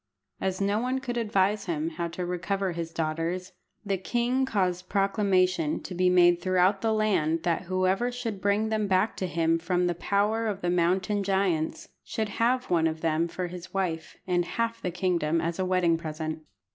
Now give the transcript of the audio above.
As no one could advise him how to recover his daughters, the king caused proclamation to be made throughout the land that whoever should bring them back to him from the power of the mountain giants should have one of them for his wife, and half the kingdom as a wedding present.